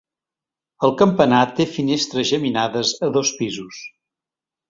El campanar té finestres geminades a dos pisos.